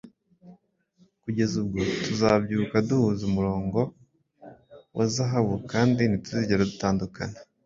Kugeza ubwo tuzabyuka duhuza umurongo wa zahabu kandi ntituzigera dutandukana